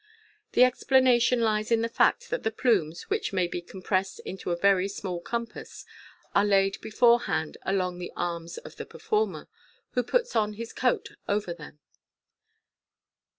The explanation lies in the fact that the plumes, which may be compressed into a very small compass, are laid beforehand along the arms of the performei, who puts on his coat over them.